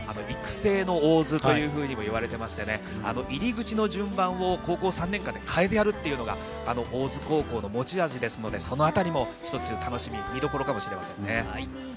育成の大津ともいわれてまして、入り口の順番を高校３年間で変えてやるというのが大津高校の持ち味ですので、そのあたりも一つ楽しみ、見どころかもしれません。